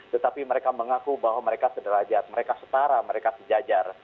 tetapi mereka mengaku bahwa mereka sederajat mereka setara mereka sejajar